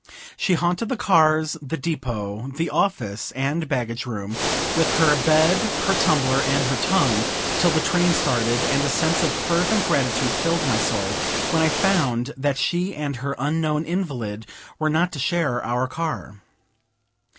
She haunted the cars, the depot, the office and baggage room, with her bed, her tumbler, and her tongue, till the train started; and a sense of fervent gratitude filled my soul, when I found that she and her unknown invalid were not to share our car.